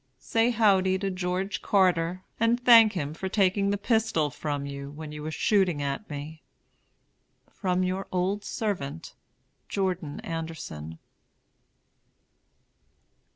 Say howdy to George Carter, and thank him for taking the pistol from you when you were shooting at me. From your old servant, JOURDON ANDERSON.